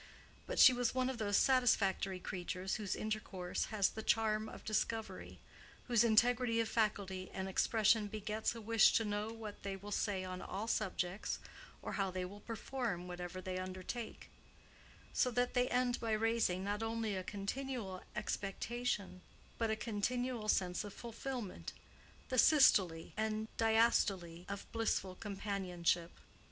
But she was one of those satisfactory creatures whose intercourse has the charm of discovery; whose integrity of faculty and expression begets a wish to know what they will say on all subjects or how they will perform whatever they undertake; so that they end by raising not only a continual expectation but a continual sense of fulfillment—the systole and diastole of blissful companionship.